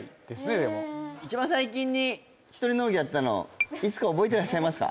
でも一番最近にひとり農業やったのいつか覚えてらっしゃいますか？